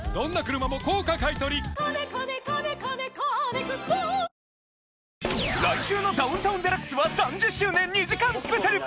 ニトリ来週の『ダウンタウンＤＸ』は３０周年２時間スペシャル！